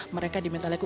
mereka diminta laku